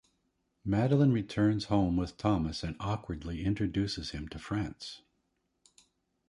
Madeleine returns home with Thomas and awkwardly introduces him to Franz.